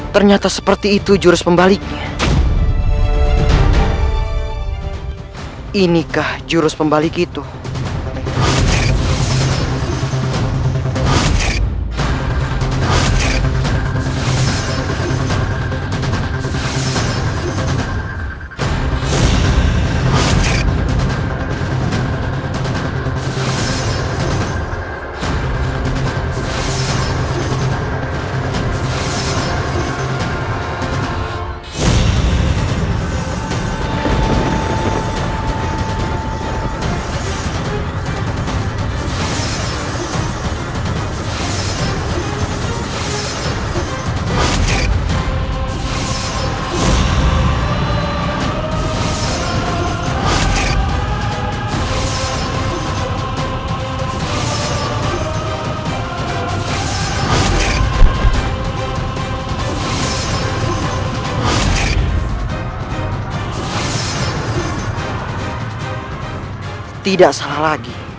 ternyata seperti itu jurus pembaliknya